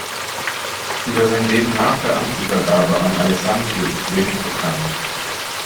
Über sein Leben nach der Amtsübergabe an Alessandri ist wenig bekannt.